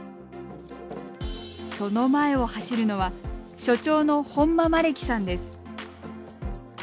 その前を走るのは所長の本間希樹さんです。